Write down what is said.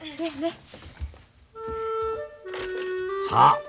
さあ